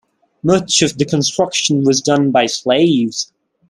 Much of the construction was done by slaves.